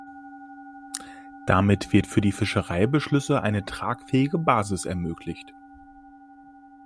Damit wird für die Fischereibeschlüsse eine tragfähige Basis ermöglicht.